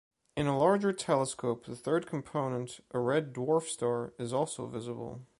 In a larger telescope the third component, a red dwarf star, is also visible.